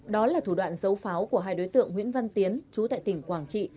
đó là thủ đoạn dấu pháo của hai đối tượng nguyễn văn tiến chú tại tỉnh quảng trị